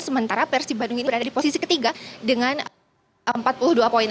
sementara persib bandung ini berada di posisi ketiga dengan empat puluh dua poin